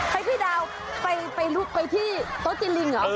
ให้พี่ดาวไปที่โต๊ะจีนลิงหรือ